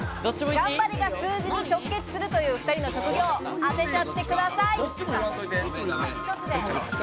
頑張りが数字に直結するというお２人の職業を当てちゃってください。